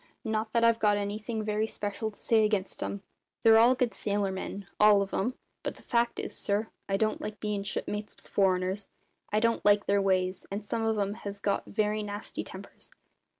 Not that I've got anything very special to say against 'em. They're good sailor men, all of 'em; but the fact is, sir, I don't like bein' shipmates with foreigners; I don't like their ways, and some of 'em has got very nasty tempers.